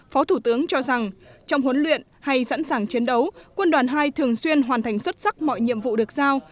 phó thủ tướng cho rằng trong huấn luyện hay sẵn sàng chiến đấu quân đoàn hai thường xuyên hoàn thành xuất sắc mọi nhiệm vụ được giao